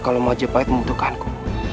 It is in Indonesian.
kalau majapahit membutuhkanku